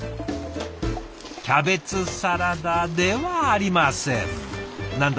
キャベツサラダではありません。